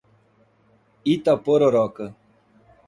Itapororoca